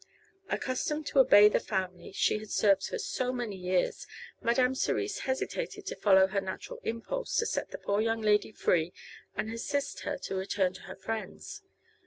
Accustomed to obey the family she had served for so many years, Madame Cerise hesitated to follow her natural impulse to set the poor young lady free and assist her to return to her friends.